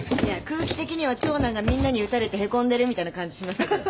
空気的には長男がみんなに打たれてへこんでるみたいな感じしましたけど。